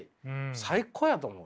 最高やと思う。